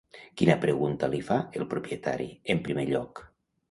Quina pregunta li fa el propietari, en primer lloc?